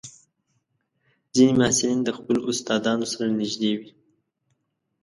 ځینې محصلین د خپلو استادانو سره نږدې وي.